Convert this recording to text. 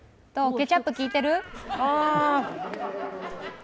ケチャップきいてる？